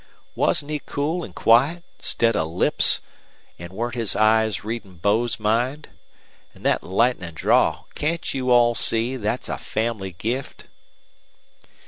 Wasn't he cool an' quiet, steady of lips, an' weren't his eyes readin' Bo's mind? An' thet lightnin' draw can't you all see thet's a family gift?'"